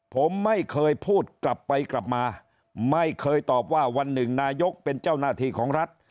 ผมไม่เคยพูดกลับไปกลับมาไม่เคยตอบว่าวันหนึ่งนายกเป็นเจ้าหน้าที่ของรัฐ